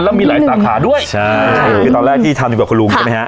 แล้วมีหลายสาขาด้วยใช่คือตอนแรกที่ทำอยู่กับคุณลุงใช่ไหมฮะ